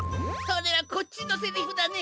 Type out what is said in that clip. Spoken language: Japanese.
それはこっちのせりふだね！